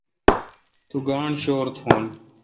تو گاݨڈ شور تھون۔